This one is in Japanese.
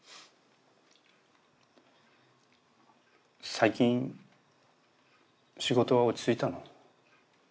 最近仕事は落ち着いたの？